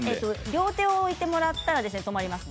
両手を置いてもらったら止まります。